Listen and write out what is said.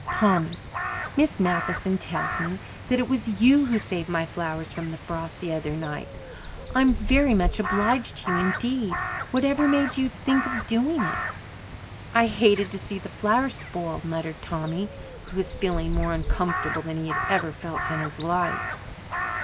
"Tommy, Miss Matheson tells me that it was you who saved my flowers from the frost the other night. I'm very much obliged to you indeed. Whatever made you think of doing it?" "I hated to see the flowers spoiled," muttered Tommy, who was feeling more uncomfortable than he had ever felt in his life.